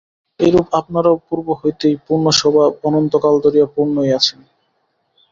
এইরূপ আপনারাও পূর্ব হইতেই পূর্ণস্বভাব, অনন্তকাল ধরিয়া পূর্ণই আছেন।